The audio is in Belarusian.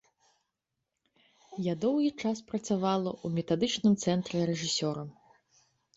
Я доўгі час працавала ў метадычным цэнтры рэжысёрам.